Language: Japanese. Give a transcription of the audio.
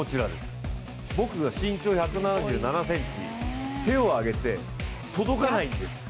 僕が身長１７７ｃｍ手を上げて、届かないんです。